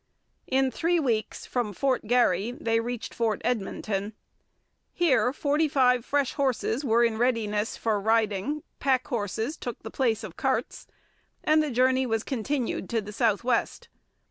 In three weeks from Fort Garry they reached Fort Edmonton. Here forty five fresh horses were in readiness for riding, pack horses took the place of carts, and the journey was continued to the south west.